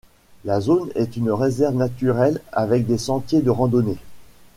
La zone est une réserve naturelle avec des sentiers de randonnée.